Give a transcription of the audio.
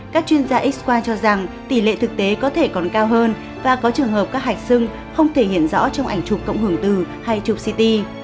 các chuyên gia x qua cho rằng tỷ lệ thực tế có thể còn cao hơn và có trường hợp các hạch xưng không thể hiện rõ trong ảnh chụp cộng hưởng từ hay chụp ct